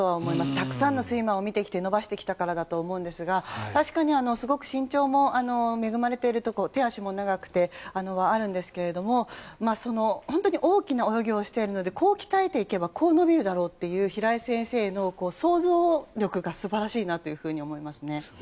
たくさんのスイマーを見てきて伸ばしてきたからだと思いますが確かにすごく身長も恵まれていて手足も長くてというのはあるんですけど大きな泳ぎをしているのでこう鍛えればこう伸びるだろうという平井先生の想像力が素晴らしいなと思いますね。